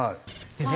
でね